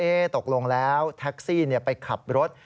ตกลงแล้วแท็กซี่ไปขับรถ